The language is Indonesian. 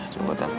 coba taruh deh